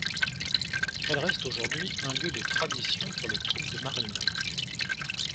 Elle reste aujourd'hui un lieu de tradition pour les troupes de marine.